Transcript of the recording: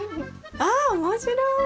あっ面白い！